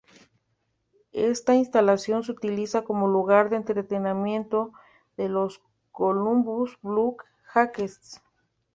Esta instalación se utiliza como lugar de entrenamiento de los Columbus Blue Jackets.